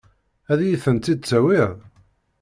Ad iyi-tent-id-tawiḍ?